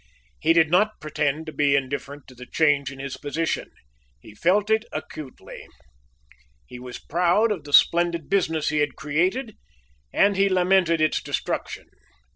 He did not pretend to be indifferent to the change in his position. He felt it acutely. He was proud of the splendid business he had created, and he lamented its destruction.